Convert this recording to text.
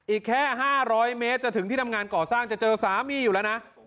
อีกแค่๕๐๐เมตรจะถึงที่ทำงานก่อสร้างจะเจอสามีอยู่แล้วนะ